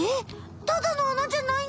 ただのあなじゃないの？